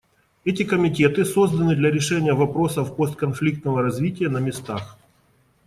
Эти комитеты созданы для решения вопросов постконфликтного развития на местах.